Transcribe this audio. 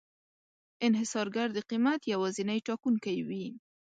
انحصارګر د قیمت یوازینی ټاکونکی وي.